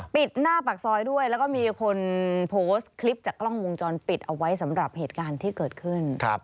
หน้าปากซอยด้วยแล้วก็มีคนโพสต์คลิปจากกล้องวงจรปิดเอาไว้สำหรับเหตุการณ์ที่เกิดขึ้น